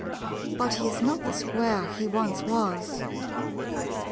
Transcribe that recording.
But he is not the Square he once was.